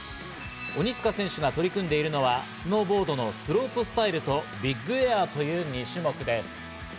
鬼塚選手が取り組んでいるのはスノーボードのスロープスタイルとビッグエアという２種目です。